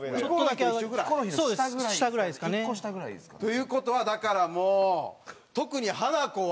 という事はだからもう特にハナコは。